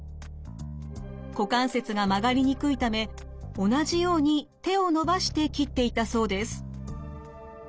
股関節が曲がりにくいため同じように手を伸ばして切っていたそうです。